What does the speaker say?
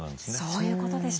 そういうことでした。